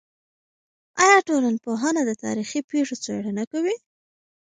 آیا ټولنپوهنه د تاریخي پېښو څېړنه کوي؟